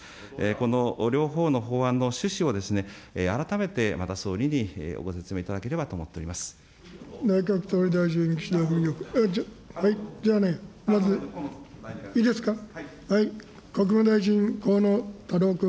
この両方の法案の趣旨を、改めてまた総理にご説明いただければと内閣総理大臣、岸田文雄君。